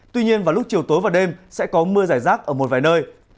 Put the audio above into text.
tuy nhiên vào lúc chiều tối và đêm sẽ có mưa giải rác ở một vài nơi